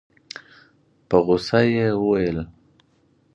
په غوسه يې وويل.